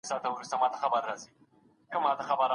ورزش کول د ژوند په ټولو برخو کي اغېز لري.